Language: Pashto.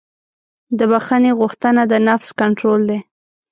د بښنې غوښتنه د نفس کنټرول دی.